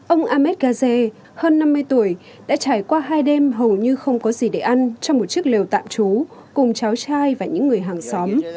ông ahmed gaze hơn năm mươi tuổi đã trải qua hai đêm hầu như không có gì để ăn trong một chiếc lều tạm trú cùng cháu trai và những người hàng xóm